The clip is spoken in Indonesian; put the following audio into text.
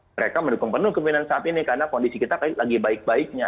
mereka mendukung penuh kemimpinan saat ini karena kondisi kita lagi baik baiknya